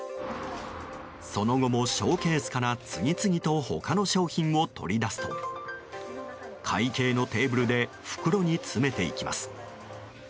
その後もショーケースから次々と他の商品を取り出すと会計のテーブルで袋に詰めていきます。